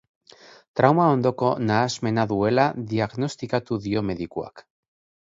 Trauma ondoko nahasmena duela diagnostikatu dio medikuak.